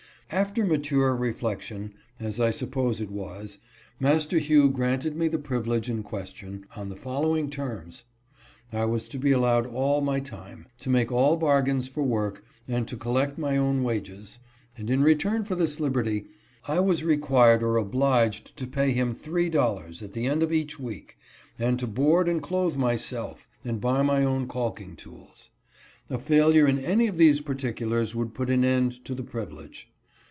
After mature reflection, as I suppose it was, Master Hugh granted me the privilege in question, on the follow ing terms : I was to be allowed all my time ; to make all bargains for work, and to collect my own wages ; and in return for this liberty, I was required or obliged to pay him three dollars at the end of each week, and to board and clothe myself, and buy my own calking tools. A failure in any of these particulars would put an end to the privilege.